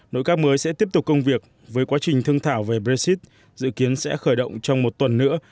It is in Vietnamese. nội các mới sẽ tiếp tục công việc với quá trình thương thảo về brexit dự kiến sẽ khởi động trong một tuần nữa